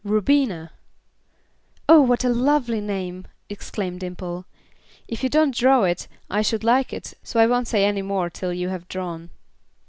"Rubina." "Oh, what a lovely name!" exclaimed Dimple. "If you don't draw it, I should like it, so I won't say any more till you have drawn."